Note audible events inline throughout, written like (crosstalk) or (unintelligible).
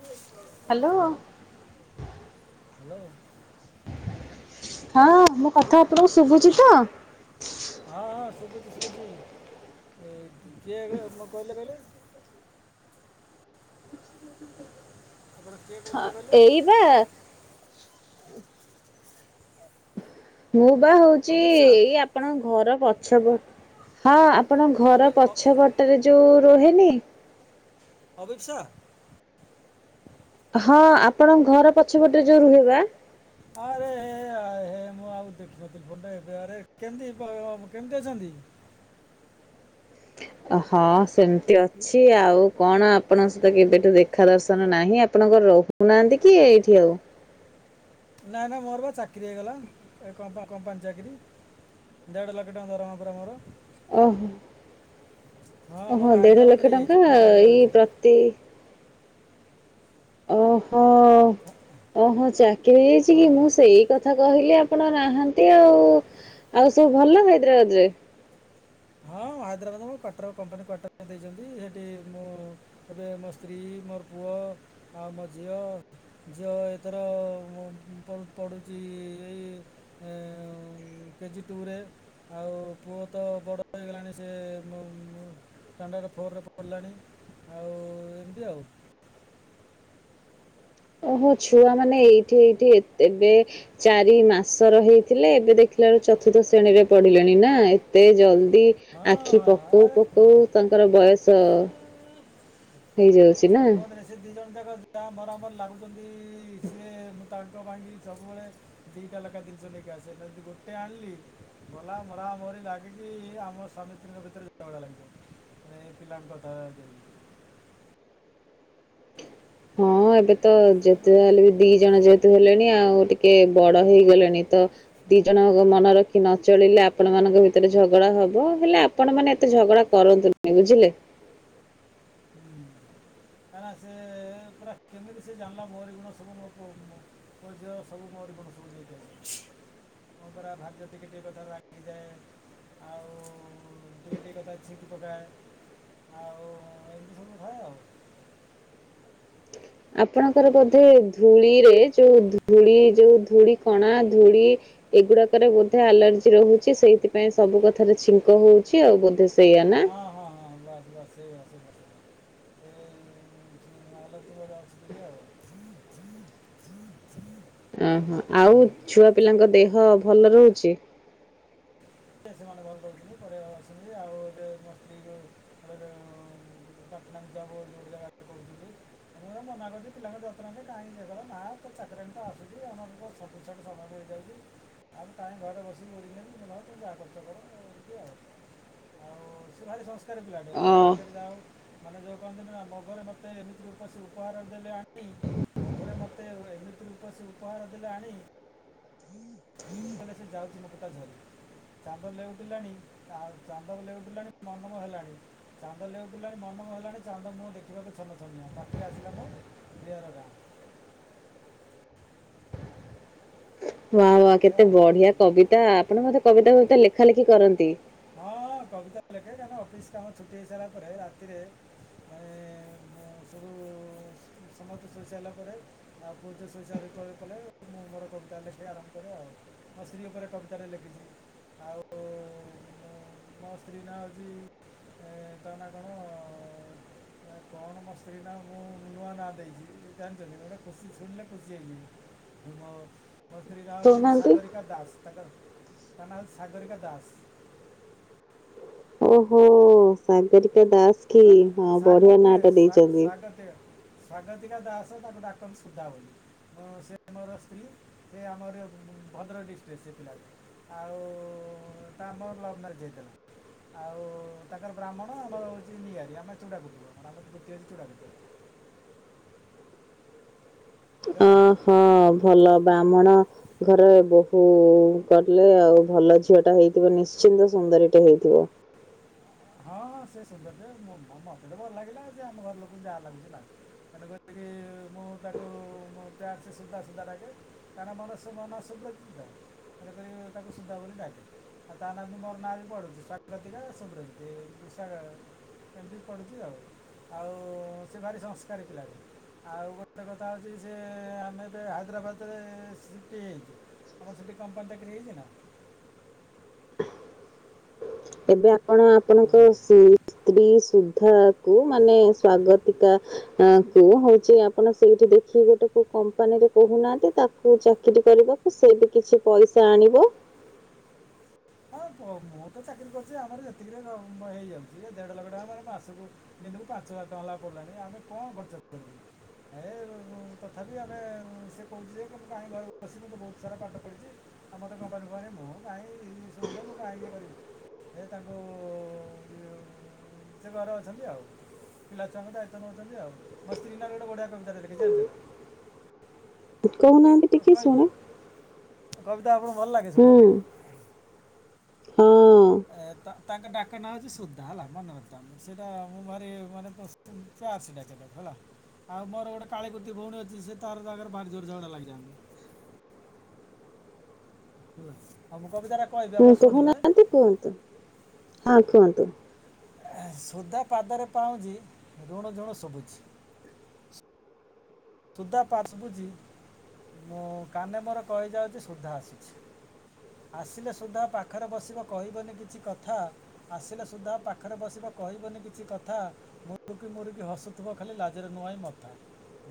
Hello, hello! ହଁ, ମୋ କଥା ଆପଣଙ୍କୁ ଶୁଭୁଛି ତ। ହଁ, ହଁ, ଶୁଭୁଛି ଶୁଭୁଛି, କିଏ ମ କହିଲେ କହିଲେ। ଆପଣ କିଏ ହଁ, କହୁଥିଲେ କହିଲେ ଏଇ ବା ମୁଁ ବା ହଉଛି, ଅଭିପ୍ସା ଏଇ ଆପଣଙ୍କ ଘର ପଛ ପଟ ହଁ, ଆପଣଙ୍କ ଅଭି ଘର ଅ- ପଛ ପଟରେ ଯୋଉ ରୁହେନି! ଅଭିିପ୍ସା! ହଁ, ଆପଣଙ୍କ ଘର ପଛପଟରେ ଯୋଉ ରୁହେବା! ଆରେ ହେ, ଆ ହେ, ମୁଁ ଆଉ ଦେଖୁିନଥିଲି ଫୋନ୍ ଟା ଏବେ ଆରେ କେମିତି କେମିତି ଅଛନ୍ତି। ହଁ ସେମିତି ଅ ଛି, ଆଉ କଣ ଆପଣଙ୍କ ସହିତ କେବେଠୁ ଦେଖା ଦର୍ଶନ ନାହିଁ। ଆପଣ କଣ ରହୁନାହାଁନ୍ତି କି ଏଇଠି ଆଉ। ନାଁ, ନା ମୋର ବା ଚାକିରି ହେଇଗଲା। କମ୍ପା-କମ୍ପାନୀ ଚାକିରି। ଦେଢ଼ ଲକ୍ଷ ଟଙ୍କା ଦରମା ପରା ମୋର। ଓହୋ! ହଁ ମୋର ଓହୋ! ଦେଢ ହାଇଦ୍ରାବାଦରେ ଲକ୍ଷ ହେଇଯାଇଛି ଟଙ୍କା-ଆ ମୁଁ ପଳେଇ ଯାଉଛି ଏଇ ପ୍ରତି ଓହୋ! ଓହୋ! ଚାକିରି ହେଇଯାଇଚି କି, ହଁ ମୁଁ ସେଇ କଥ୍ କଥା କହିଲି ଆପଣ ନାହାଁନ୍ତି ଆଉ। ଆଉ ସବୁ ଭଲ ହାଇଦ୍ରାବାଦ ରେ? ହଁ, ହାଇଦ୍ରାବାଦ୍ ମୋ କ୍ୱାର୍ଟର କମ୍ପାନୀ କ୍ୱାର୍ଟର ଦେଇଛନ୍ତି, ହେଠି ମୁଁ ଏବେ ମୋ ସ୍ତ୍ରୀ, ମୋର, ପୁଅ, ମୋ ଝିଅ ଝିଅ ଏଥର-ଅ ମ ପ-ପଡୁଛି ଏଇ ଏଁ-ଏଁ କେଜି ଟୁରେ। ଆଉ ପୁଅ ତ ବଡ଼ ହେଇଗଲାଣି ସେ ମୁଁ ମୁଁ ଷ୍ଟାଣ୍ଡାର୍ଡ଼ ଫୋର୍ ରେ ପଡିଲାଣି। ଆଉ ଏମିତି ଆଉ। ଓହୋ! ଛୁଆ ମାନେ ଏଇଠି ଏଇଠି ଏତେ ଏବେ ଚାରି ମାସର ହେଇଥିଲେ, ଏବେ ଦେଖିଲା ବେଳକୁ ଚତୁର୍ଥ ଶ୍ରେଣୀରେ ପଡିଲେଣି ନା ଏତେ ଜଲ୍ଦି ହଁ ଆଖି ହଁ ପକଉ ଆରେ ପକଉ କୁହନି ତାଙ୍କର ବୟସ ହେଇଯାଉଛି ନାଁ! କୁହନ୍ତୁନି ସେ ଦିଇ ଜଣ ଯାକ ଯାହା ମରାମରୀ ଲାଗୁଛନ୍ତି ସିଏ, ମୁଁ ତାଙ୍କ ପାଇଁକି ସବୁବେଳେ ଦିଟା ଲେଖା ଦିନିଷ ନେଇକି ଆସେ। ଯଦି ଗୋଟେ ଆଣିଲି ଗଲା ମରା ମରି ଲାଗିକି ଆମ ସ୍ବାମୀ (inaudible) ଭିତରେ ଝଗଡା ଲାଗିଯିବ ମାନେ ପିଲାଙ୍କ କଥା ଯାଇ ହଁ, ଏବେ ତ ସେ ପୁରା ଯେତେ ଯାହାହେଲେ ବି ଦି ଜଣ ଯେହେତୁ ହେଲେଣି, ଆଉ ଟିକେ ବଡ ହେଇଗଲେଣି ତ! ଦି ଜଣଙ୍କ ମନେ ରଖି ନଚଳିଲେ, ଆପଣ ମାନଙ୍କ ଭିତରେ ଝଗଡା ହବ, ହେଲେ ଆପଣ ମାନ ଏତେ ଝଗଡା କରନ୍ତୁନି। ଏ ବୁଝିଲେ! ହୁଁ, କାହିଁକ ନା ସେ-ଏ ପୁରା କେମିତି ସେ ଜାଣିଲା ମୋରି ଗୁଣ ସବୁ ମୋ ପୁଅ ମୋ ମୋ ଝିଅ, ସବୁ ମୋରି ଗୁଣ ସବୁ ନେଇକି ଆଇଛନ୍ତି? ମୁଁ, ପୁରା ଭାଗ୍ୟ ଟିକେ ଟିକେ କଥା କୁ ରାଗିଯାଏ। ଆଉ-ଉ ଟିକେ ଟିକେ କଥା ଛିଙ୍କି ପକାଏ। ଆଉ-ଉଁ ଆଉ ଏମିତି ସବୁ ଥାଏ ଆଉ। ଆପଣଙ୍କର ବୋଧେ ଧୂଳିରେ, ଯୋଉ ଧୂଳି, ଯୋଉ ଧୂଳି କଣା ଧୂଳି ଏଗୁଡାକରେ ବୋଧେ ଆଲର୍ଜି ରହୁଛି। ସେଇଥିପାଇଁ ସବୁ କଥାରେ ଛିଙ୍କ ହଉଛି ଆଉ ବୋଧେ ସେ ହଁ, ହଁ, ହଁ, ବାସ୍ ବାସ୍। ସେଇଆ, ସେଇଆ, ସେଇଆ, (unintelligible) ଆଉ ଅ, ହଁ, ଆଉ ଛୁଆ ପିଲାଙ୍କ ଦେହ ଭଲ ରହୁଛି? ସେ ସେମାନେ ଭଲ ଦେଉଛନ୍ତି, ପରିବା ଦେଉଛନି, ଆଉ ଏ ମ ସ୍ତ୍ରୀ କି (unintelligible) ପାଟନା ରେ ଯବ ବୋଲି ଗୋଟେ ଜାଗା କହୁଥିଲି। ମୁ ମନା କରିଚି ପିଲାଙ୍କ ଯତନ ନେ କାହିଁକି ଏ କର ନାଇଁ ସେ ଚାକରାଣୀ ତ ଆସୁଛି ଆମର ତ ସବୁ ସେଇଠୁ ସମୟ ମିଳିଯାଉଚି ଆଉ ମୁଁ କାହିଁ ଘରେ ବସିବି ବୋରିଂ ହେବି ମୁଁ କହିଲି ହଉ ଯାହା କରୁଚ କର ଏମତି ଆଉ ଆଉ ସେ ଭାରି ସଂସ୍କାରି ପିଲାଟି ଅ ମୋ ପାଖରେ ଯାହା ହଉ ମାନେ ଯୋଉ କହନ୍ତି ନା ମୋ ଘରେ ମତେ ଏମିତି ରୂପରେ ଉପହାର ଦେଲେ ଆଣି ମୋ ଘରେ ମତେ ଏମିତି ରୂପରେ ସେ ଉପହାର ଦେଲେ ଆଣି ଏବେ ସେ ଯାଉଚି ମୁକୁତା ଝରି। ଚାନ୍ଦ ଲେଉଟିଲାଣି ଆଉ ଚାନ୍ଦ ବି ଲେଉଟିଲାଣି ମନ ମ ହେଲାଣି। ଚାନ୍ଦ ଲେଉଟିଲାଣି ମନ ମୋ ହେଲାଣି ଚାନ୍ଦ ମୁହଁ ଦେଖିବାକୁ ଛନ ଛନିଆ ପାଖେଇ ଆସିଲା ମୋ ଦିଅର ଗାଁ। ୱା ୱା କେତେ ଏଇଆ ଆଉ ବଢିଆ କବିତା ଆପଣ ବୋଧେ କବିତା ଫବିତା ଲେଖା ଲେଖି କରନ୍ତି। ହଁ ହଁ କବିତା ଲେଖେ କାଇଁ ନା ଅଫିସ୍ କାମ ଛୁଟି ହେଇସାଇଲା ପରେ ରାତିରେ ଏ ମୁଁ ସବୁ ସମତେ ଶୋଇ ସାଇଲା ପରେ ଆଉ ପୁଅ ଝିଅ ଶୋଇ ସାଇଲା ପ-ପଲେ ମୁଁ ମୋର କବିତା ଲେଖେ ଆରମ୍ଭ କରେ ଆଉ। ମୋ ସ୍ତ୍ରୀ ଉପରେ କବିତା ଟେ ଲେଖିଚି ଆଉ। ଉଁ ମୋ ସ୍ତ୍ରୀ ନାଁ ହଉଚି ଏଁ ତା ନାଁ କଣ ଏଁ କଣ ମୋ ସ୍ତ୍ରୀ ନାଁ ମୁଁ ନୂଆ ନାଁ ଦେଇଚି ଜାଣିଚ କି ଗୋଟେ ଖୁସି ଶୁଣିଲେ ଖୁସି ହେଇଯିବୁ। ମୋ ମୋ ସ୍ତ୍ରୀ ନାଁ ହଉଚି କହୁନାହାନ୍ତି। ସାଗରିକା ଦାସ୍ ତାଙ୍କର ତା ନାଁ ହଉଚି ସାଗରିକା ଦାସ୍। ଓ ହୋ ସାଗେରିକା ଦାସ୍। ସ୍ଵା ସାଗ ନୁହେଁ ସ୍ବା-ସ୍ଵାଗତିକା। ସ୍ଵାଗତିକା ଦାସ ତାକୁ ଡାକନ୍ତି ସୁଦା ବୋଲି। ମୁଁ ସେ ମୋର ସ୍ତ୍ରୀ ଏ ଆମର ଏ ଭଦ୍ରକ ଡିଷ୍ଟ୍ରିକ୍ ସେ ପିଲାଟି। ଆଉ ତା ମ ଲଭ୍ ମ୍ୟାରେଜ୍ ହେଇଥିଲା। ଆଉ ତାଙ୍କର ବ୍ରାହ୍ମଣ ଆମର ହଉଚି ନିଆରି ଆମେ ଚୁଡ଼ା କୁଟୁବ ଆମର ବୃତ୍ତି ଅଚି ଚୁଡ଼ା କୁଟିବା। ଜାଣିଚ କି? ହଁ ଭଲ ବାହ୍ମଣ। ଘରେ ବୋହୁ କଲେ ଆଉ ଭଲ ଝିଅ ଟା ହେଇଥିବ ନିଶ୍ଚିନ୍ତ ସୁନ୍ଦରୀଟେ ହେଇଥିବ। ହଁ ହଁ ସେ ସୁନ୍ଦର ଟେ ମୋ ମତେ ତ ଭଲ ଲାଗିଲା ଯେ ଆମ ଘର ଲୋକଙ୍କୁ ଯା ଲାଗୁଚି ଲାଗୁ। ମାନେ ଯେତିକି ମୁଁ ତାକୁ ମୋ ବ୍ୟାଚ ସୁଦା ସୁଦା ଡାକେ। ତା ନାଁ ମନସ ମୋ ନାଁ ସୁବ୍ରଜିତ ତେଣୁକରି ମୁଁ ତାକୁ ସୁଦା ବୋଲି ଡାକେ। ଆ ତା ନା ବି ମୋର୍ ନାଁ ରେ ବି ପଡୁଚି ସ୍ଵାଗତିକା ସୁବ୍ରଜିତ୍ ଏମ୍ତି ସା ଏମତି ପଡୁଚି ଆଉ ଆଉ ସେ ଭାରି ସଂସ୍କାରୀ ପିଲାଟେ। ଆଉ ଗୋଟେ କଥା ହଉଚି ସେ ଆମେ ଏବେ ହାଇଦ୍ରାବାଦ ରେ ସିପ୍ଟ୍ ହେଇଆଇଚୁ। ଆମର ସେଠି କମ୍ପାନୀ ଚାକିରି ହେଇଚି ନା। ଏବେ ଆପଣ ଆପଣଙ୍କ ହଁ ସି ସ୍ତ୍ରୀ ସୁ ଥାକୁ ମାନେ ସ୍ଵାଗତିକା ଆ କୁ ହଉଚି ଆପଣ ସେଇଠି ଦେଖି ଗୋଟେ କୋ କମ୍ପାନୀରେ କହୁନାହାଁନ୍ତି ତାକୁ ଚାକିରି କରିବ। ଉ ସେ ବି କିଛି ପଇସା ଆଣିବ। ହଁ କ ମୁଁ ତ ଚାକିରି କରିଚି ଆମର ଯେତିକିରେ ର ମ ହେଇଯାଉଚି ଏ ଦେଢ଼ ଲକ୍ଷ ଟଙ୍କା ମୋର ମାସୁକୁ। ଦିନୁକୁ ପାଞ୍ଚ ହଜାର ଟଙ୍କା ଲେଖା ପଡିଲାଣି ଆମେ କଣ ଖର୍ଚ୍ଚ କରିବୁ ହେ ସେ ରୁ ମୁଁ ତଥାପି ଆମେ ଉଁ ସେ କହୁଚି ଯେ କି ମୁଁ କାଇଁ ଘରେ ବସିବି ମୁଁ ତ ବହୁତ୍ ସାରା ପାଠ ପଢିଚି। ଆମର ତ କମ୍ପାନୀ ଫମ୍ପାନି ମୁଁ କାଇଁ ଈ ନୁ ହେଲେ ମୁଁ ଟାଇମ୍ ଇଏ କରିବି ହେ ତାଙ୍କୁ ଇଏ ଛେ ଘରେ ଅଛନ୍ତି ଆଉ। ପିଲା ଛୁଆଙ୍କ ଦାୟିତ୍ୱ ନଉଚନ୍ତି ଆଉ ମୋ ସ୍ତ୍ରୀ ନାଁ ରେ ଗୋଟେ ବଢିଆ କବିତା ଟେ ଲେଖିଚି ଜାଣିଚ ନା। କହୁନାଆନ୍ତି କ- ଟିକେ କହିବି ଶୁଣେ। କବିତା ଆପଣକୁ ଭଲ୍ ଲାଗେ ହୁଁ ଶୁଣିବା ପାଇଁ। ହଁ ଏ ତା ତାଙ୍କ ଡାକ ନାଁ ହଉଚି ସୁଦ୍ଦା ହେଲା ମନେ ରଖି ଥାଅ ସେଇଟା ମୋ ମୁହରେ ମାନେ ପସ୍ ଚାଶ୍ ଡାକେ ତାକୁ ହେଲା। ଆଉ ମୋର ଗୋଡ଼େ କାଳୀକୁତି ଭଉଣୀ ଅଚି ସେ ତାର ଜାଗାରେ ଭାରି ଜୋରେ ଝଗଡ଼ା ଲାଗିଆଯାନ୍ତି। (unintelligible) ଆଉ ମୁଁ କବିତାରା ଉଁ କହୁନାଆନ୍ତି କୁଅନ୍ତୁ ହାଁ କୁଅନ୍ତୁ। ଏ ସୁଦା ପାଦରେ ପାଉଁଜି ରୁଣୁଜୁଣୁ ଶୁବୁଛି। ତୁଦା ପାଚ୍ ବୁଜି ମୋ କାନେ ମୋର କଇଯାଉଚି ସୁଦ୍ଧା ଆସୁଛି। ଆସିଲେ ସୁଦ୍ଦା ପାଖରେ ବସିବ କହିବନି କିଚି କଥା। ଆସିଲେ ସୁଦ୍ଦା ପାଖରେ ବସିବ କହିବନି କିଛି କଥା। ମୁରୁକି ମୁରୁକି ହସୁଥିବ ଖାଲି ଲାଜରେ ନୁଆଇଁ ମଥା।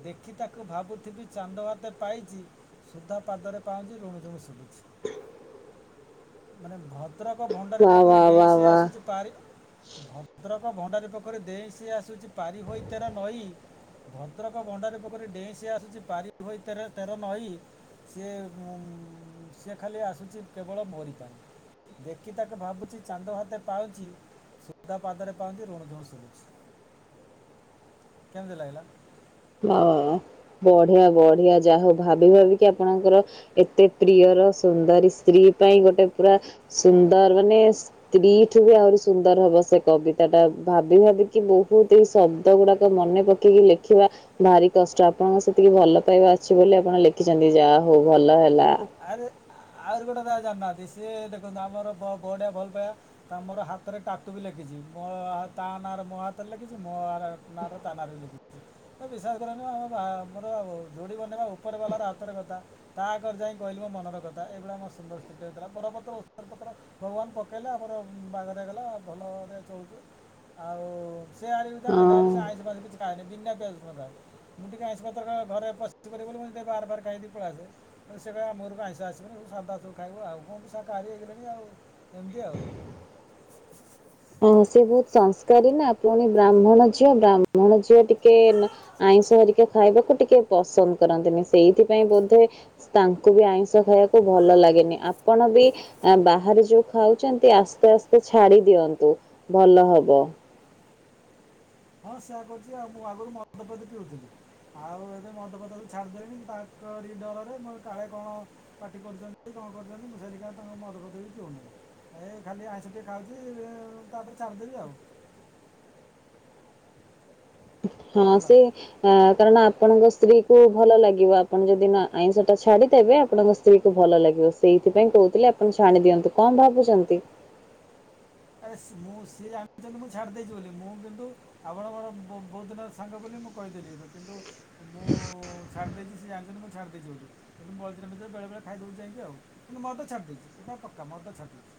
ଦେଖି ତାକୁ ଭାବୁଥିବି ଚାନ୍ଦ ଆତେ ପାଇଚି। ସୁଧା ପାଦରେ ପାଉଁଜି ରୁଣୁ ଝୁଣୁ ଶୁଭୁଚି ମାନେ ଭ ଭଦ୍ରକ ଭଣ୍ଡାରି ବା ପୋଖରୀ ବା ଡେଇଁ ବା ସେ ବା ଆସୁଛି। ପାରି ଭ ଭଦ୍ରକ ଭଣ୍ଡାରି ପୋଖରୀ ଦେଇଁ ସିଏ ଆସୁଛି ପାରି ହୋଇ ତେର ନଈ ଭଦ୍ରକ ଭଣ୍ଡାରି ପୋଖରୀ ଡେଇଁ ସିଏ ଆସୁଛି ପାରି ହୋଇ ତେର ତେର ନଈ ସିଏ ମୁଁ ସିଏ ଖାଲି ଆସୁଛି କେବଳ ମୋରି ପାଇଁ। ଦେଖି ତାକୁ ଭାବୁଛି ଚାନ୍ଦ ହାତ ପାଉଛି ସୁଧା ପାଦରେ ପାଉଁଜି ରୁଣୁ ଝୁଣୁ ଶୁଭୁଚି। କେମିତି ଲାଗିଲା? ହଁ ବଢିଆ ବଢିଆ ଯାହା ହଉ ଭାବି ଭାବିକି ଆପଣଙ୍କର ଏତେ ପ୍ରିୟର ସୁନ୍ଦରୀ ସ୍ତ୍ରୀ ପାଇଁ ଗୋଟେ ପୁରା ସୁନ୍ଦର ମାନେ ସ୍ତ୍ରୀଠୁ ବି ଆହୁରି ସୁନ୍ଦର ହବ ସେ କବିତା ଟା ଭାବି ଭାବିକି ବହୁତ ଏଇ ଶବ୍ଦ ଗୁଡାକ ମନେ ପ କେଇକି ଲେଖିବା ଭାରି କଷ୍ଟ ଆପଣଙ୍କ ସେତିକି ଭଲ ପାଇବା ଅଛି ବୋଲି ଆପଣ ଲେଖିଛନ୍ତି ଯାହା ହଉ ଭଲ ହେଲା। ଆରେ ଆହୁରି ଗୋଟେ ର ଜାଣିନାହାନ୍ତି ସିଏ ଦେଖନ୍ତୁ ଆମର ବ ବଡିଆ ଭଲ ପାଇବା। ତା ମୋଡ ହାତରେ ଟାଟୁ ବି ଲେଖିଛି ମୋ ହା ତା ନାଁର ମୋ ହାତରେ ଲେଖିଛି ମୋ ଆର ନାରେ ତା ନାରେ ଲେଖିଚି। ତ ବିଶ୍ୱାସ କରିବନି ଆମ ବାହା ଆମର ଯୋଡ଼ି ବନେଇବା ଉପରେ ବାଲା ର ହାତରେ କଥା ତାକରେ ଯାଇ କହିଲି ମୋ ମନର କଥା ଏ ଭଳିଆ ମୋ ସୁନ୍ଦର ସ୍ତ୍ରୀ ଟେ ଥିଲା ବରପତ୍ର ଓସ୍ତପତ୍ର ଭଗବାନ ପକେଇଲେ ଆମର ବାହାଘର ହେଇଗଲା ଭଲରେ ଚଳୁଚୁ। ଆଉ ସିଆଡେବି ତାର ଯାହା ହଉ ହଁ। ସେ ଆଇଁଷ ଫାଇଁଷ କିଛି ଖାନି ବିନା ପିଆଜ ରସୁଣ ଖାଏ। ମୁଁ ଟିକେ ଆଇଁଷ ପତ୍ର ଘରେ ପଶିିବନି ବୋଲି ମୁଁ ଟିକେ ବାରେ ଫାହାରେ ଖାଇଦେଇ ପଳି ଆସେ। କେବେ ଆମ ଘରକୁ ଆଇଁଷ ଆସିବନି ସାଧା ସବୁ ଖାଇବୁ ଆଉ ମୁଁ ବି ଶାକାହାରୀ ହେଇଗଲେଣି ଆଉ ଏମିତି ଆଉ ହଁ ସେ ବହୁତ ସଂସ୍କାରୀ ନା ପୁଣି ବ୍ରାହ୍ମଣ ଝିଅ ବ୍ରାହ୍ମଣ ଝିଅ ଟିକେ ନା ଆଇଁଷ ହେରିକା ଖାଇବାକୁ ଟିକେ ପସନ୍ଦ କରନ୍ତିନି ସେଇଥିପାଇଁ ବୋଧେ ତାଙ୍କୁ ବି ଆଇଁଷ ଖାଇବାକୁ ଭଲ ଲାଗେନି ଆପଣ ବି ଆ ବାହାରେ ଯୋଉ ଖାଉଛନ୍ତି ଆସ୍ତେ ଆସ୍ତେ ଛାଡି ଦିଅନ୍ତୁ ଭଲ ହବ। ହଁ ସେଇୟା କହୁଛି ଆଉ ମୁଁ ଆଗରୁ ମଦ ଫଦ ପିଉଥିଲି। ଆଉ ଏବେ ମଦ ପଦ କୁ ଛାଡ଼ିଦେଲେଣିି ତାଙ୍କରି ଡରରେ ମୁଁ କାଳେ କଣ ପାଟି କରୁଚ୍ଚନ୍ତି କଅଁ କରୁଛନ୍ତି ମୁଁ ସେଠିକା ଆଉ ମଦ ଫଦ ବି ପିଉନି। ଏ ଖାଲି ଆଇଁଷ ଟିକେ ଖାଉଛି ଉଁ ତାପରେ ଛାଡ଼ିଦେବି ଆଉ ହଁ ହେଲା ସେ ଅଁ କାରଣ ଆପଣଙ୍କ ସ୍ତ୍ରୀ କୁ ଭଲ ଲାଗିବ ଆପଣ ଯୋଉ ଦିନ ଆଇଁଷ ଟା ଛାଡିଦେବେ ଆପଣଙ୍କ ସ୍ତ୍ରୀ ସ୍ତ୍ରୀ କୁ ଭଲ ଲାଗିବ ସେଇଥିପାଇଁ କହୁଥିଲେ ଆପଣ ଛାଣି ଦିଅନ୍ତୁ କଣ ଭାବୁଛନ୍ତି? ଆରେ ସି ମୁଁ ସିଏ ଜାଣିଛନ୍ତି ମୁଁ ଛାଡି ଦେଇଛି ବୋଲି ମୁଁ କିନ୍ତୁ ଆପଣ ମୋର ବେ ବେହୁତ ଦିନ ର ସାଙ୍ଗ ବୋଲି ମୁଁ କହିଦେଲି କିନ୍ତୁ ମୁଁ ଛାଡ଼ିଦେଇଚି ସେ ଜାଣିଛନ୍ତି ମୁଁ ଛାଡ଼ିଦେଇଚି ବୋଲି କିନ୍ତୁ ମଝିରେ ମଝିରେ ବେଳେ ଖାଇଦଉଛି ଯାଇଁ କି ଆଉ କିନ୍ତୁ ମଦ ଛାଡ଼ି ଦେଇଛି ଏଇଟା ପକ୍କା ମଦ ଛାଡ଼ିଦେଇ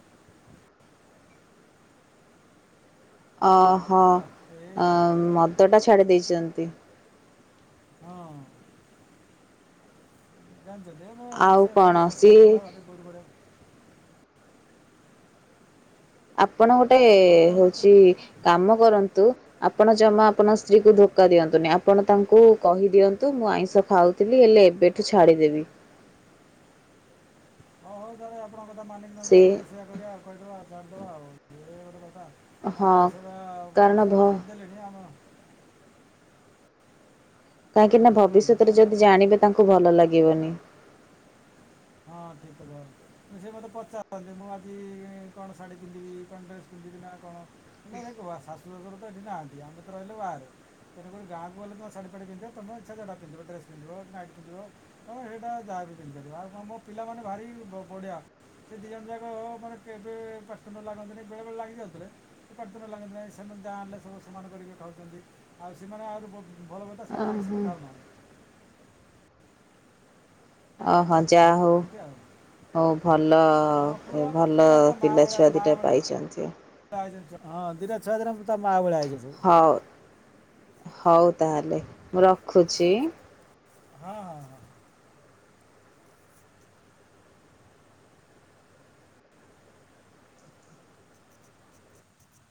ଅହ ହେଲା ଏ ଅଁ ମଦଟା ଛାଡ଼ି ଦେଇଛନ୍ତି। ହଁ। ଜାଣିଛନ୍ତି ମୋ ଆଉ ସେ କଣ ଭାରି ସଂସ୍କାରୀ ସିଏ ପିଲା ଭାରି ଦୋରୁ ବଡିଆ ପି ଆପଣ ଗୋଟେ ହଁ କହୁନାହାନ୍ତି ହଉଛି କାମ କରନ୍ତୁ। ଆପଣ ଜମା ଆପଣ ସ୍ତ୍ରୀକୁ ଧୋକା ଦିଅନ୍ତୁନି ଆପଣ ତାଙ୍କୁ କହିଦିଅନ୍ତୁ ମୁଁ ଆଇଁଷ ଖାଉଥିଲି ହେଲେ ଏବେ ଠୁ ଛାଡ଼ିଦେବି। ହଉ ହଉ ତାହେଲେ ଆପଣଙ୍କ କଥା ମାନିକି ନହେଲେ ସେ ତାକୁ ଗୋଟେ ସେୟା କରିବା କହିଦବା ଆଉ ଧରିଦବା ଆଉ ଇ ଏ ଗୋଟେ କଥା ଆଁ ହଁ ଆଇଁଷ ଖାଇବା କାରଣ ଭ ଓଷା ତ ଛାଡ଼ିଦେଲେଣି। ସେ ଆମ କାହିଁକି ନା ହୁଁ, କୁହନ୍ତୁ ଭବିଷ୍ୟତରେ ଯଦି ମୁଁ ଜାଣିବେ ତାଙ୍କୁ ଭଲ ଲାଗିବନି। ହଁ ଠିକ୍ କଥା। ସେ ମୋତେ ପଚାରନ୍ତି ମୁଁ ଆଜି କଣ ଶାଢ଼ୀ ପିନ୍ଧିବି କଣ ଡ୍ରେସ୍ ପିନ୍ଧିବି ନା କଣ? କିଏ ଦେଖିବା ଶାଶୁୁ ଶଶୁର ତ ଏଠି ନାହାନ୍ତି ଆମେ ତ ରହିଲୁ ବାହାରେ ତେଣୁକରି ଗାଁକୁ ଗଲେ ତମେ ଶଢୀପାଢି ପିନ୍ଧିବ ତମ ଇଚ୍ଛା ଜଉଟା ପିନ୍ଧ ଡ୍ରେସ୍ ପିନ୍ଧିବ ନାଇଟ ପିନ୍ଧିବ ହମ ସେଇଟା ଯାହାବି ପିନ୍ଧିପରିବ। ଆଉ କଣ ମୋ ପିଲାମାନେ ଭାରି ବଢିଆ। ସେ ଦି ଜଣ ଯାକ ମାନେ କେବେ ପାଟି ତୁଣ୍ଡ ଲାଗନ୍ତିନି ବେଳେ ବେଳେ ଲାଗି ଯାଉଥିଲେ। ପାଟିତୁଣ୍ଡ ଲାଗନ୍ତିନାହିଁ ସେମାନେ ଯାହା ଆଣିଲେ ସବୁ ସମାନ କରିକି ଖାଉଛନ୍ତି। ଆଉ ସେମାନେ ଆହୁରି ଭ ଭଲ କଥା ସେମାନେ ଆଇଁଷ ଓହୋ ବି ଖାଉନାହାନ୍ତି। ଅହୋ ଯା ହଉ। ଏମିତି ଆଉ ହଉ ଭଲ ହଁ ପୁରା ଭଲ ପୁରା ମା ଭଳିଆ ପିଲାଛୁଆ ଦୁଇଟା ପାଇଛନ୍ତି। ହଁ ଦିଟା ଛୁଆ ଦିଟା ତା ମା ଭଳିଆ ହେଇଛନ୍ତି ସବୁ। ହଉ ହଉ ତାହେଲେ ମୁଁ ରଖୁଛି? ହଁ ହଁ ହଁ।